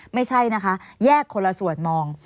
ไม่ใช่นะคะแยกคนละส่วนมอง